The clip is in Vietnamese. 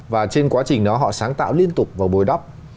và trên quá trình đó họ sáng tạo liên tục vào bồi đắp